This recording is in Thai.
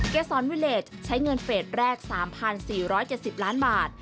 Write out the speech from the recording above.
เกษรวิเลสใช้เงินเฟสแรก๓๔๗๐ล้านบาท